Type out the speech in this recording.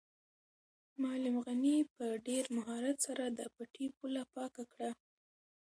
معلم غني په ډېر مهارت سره د پټي پوله پاکه کړه.